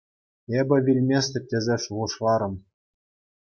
Эпӗ вилместӗп тесе шухӑшларӑм.